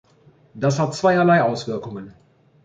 Das hat zweierlei Auswirkungen.